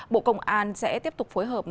bộ công an sẽ tiếp tục phối hợp